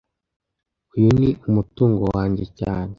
Uyu ni umutungo wanjye cyane